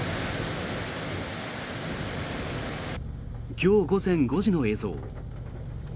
今日午前５時の映像。